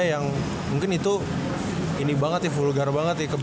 yang mungkin itu ini banget ya vulgar banget